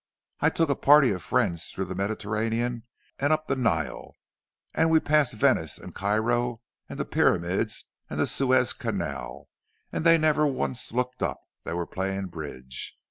I took a party of friends through the Mediterranean and up the Nile, and we passed Venice and Cairo and the Pyramids and the Suez Canal, and they never once looked up—they were playing bridge.